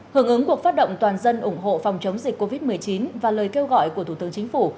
hưởng ứng cuộc phát động toàn dân ủng hộ phòng chống dịch covid một mươi chín và lời kêu gọi của thủ tướng chính phủ